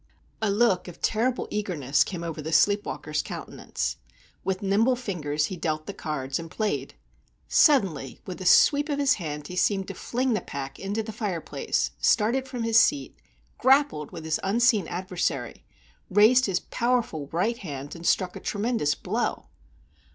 A look of terrible eagerness came over the sleepwalker's countenance. With nimble fingers he dealt the cards, and played. Suddenly with a sweep of his hand he seemed to fling the pack into the fireplace, started from his seat, grappled with his unseen adversary, raised his powerful right hand, and struck a tremendous blow.